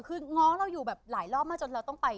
คือง้อเราอยู่แบบหลายรอบมากจนเราต้องไป